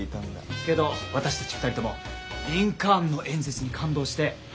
けど私たち２人ともリンカーンの演説に感動して。